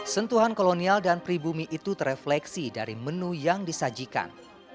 sentuhan kolonial dan pribumi itu terefleksi dari menu yang disajikan